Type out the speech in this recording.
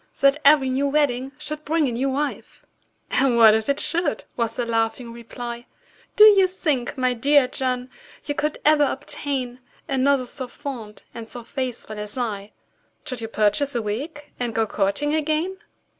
That every new wedding should bring a new wife!" "And what if it should?" was the laughing reply; "Do you think, my dear John, you could ever obtain Another so fond and so faithful as I, Should you purchase a wig, and go courting again?"